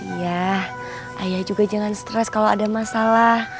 iya ayah juga jangan stres kalau ada masalah